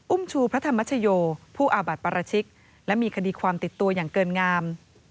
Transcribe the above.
ชูพระธรรมชโยผู้อาบัติปราชิกและมีคดีความติดตัวอย่างเกินงาม